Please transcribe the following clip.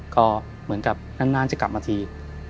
ก็เหมือนกับนานจะกลับมาที